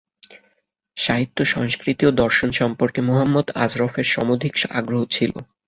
সাহিত্য, সংস্কৃতি ও দর্শন সম্পর্কে মোহাম্মদ আজরফের সমধিক আগ্রহ ছিল।